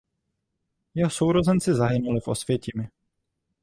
Jeho sourozenci zahynuli v Osvětimi.